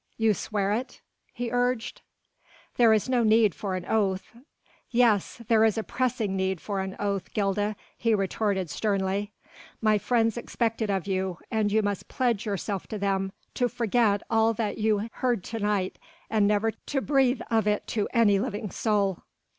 "You swear it?" he urged. "There is no need for an oath." "Yes, there is a pressing need for an oath, Gilda," he retorted sternly. "My friends expect it of you, and you must pledge yourself to them, to forget all that you heard to night and never to breathe of it to any living soul."